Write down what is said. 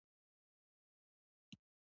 فاریاب د افغانستان د کلتوري میراث برخه ده.